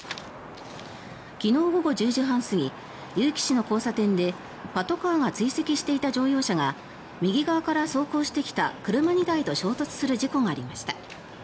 昨日午後１０時半過ぎ結城市の交差点でパトカーが追跡していた乗用車が右側から走行してきた車２台と衝突する事故がありました。